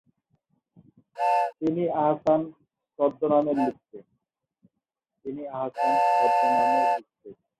তিনি আহসান ছদ্মনামে লিখতেন।